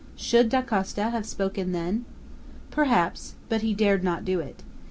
Should Dacosta have spoken then? Perhaps; but he dared not do it.